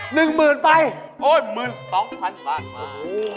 ๑หมื่นไปโอ้ย๑หมื่น๒พันบาทมา